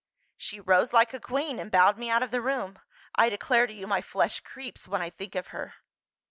She rose like a queen, and bowed me out of the room. I declare to you, my flesh creeps when I think of her."